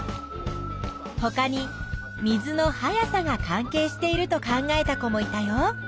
ほかに水の速さが関係していると考えた子もいたよ。